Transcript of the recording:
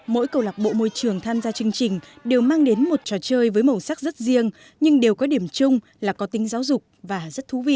mỗi cầu lạc bộ môi trường tham gia chương trình đều mang đến một trò chơi với màu sắc rất riêng nhưng đều có điểm chung là có tính giáo dục và rất thú vị